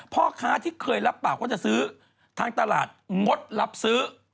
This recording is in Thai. พ่อค้าที่เคยรับปากว่าจะซื้อทางตลาดงดรับซื้อ